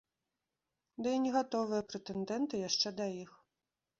Ды і не гатовыя прэтэндэнты яшчэ да іх.